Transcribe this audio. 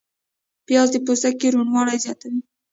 پیاز د پوستکي روڼوالی زیاتوي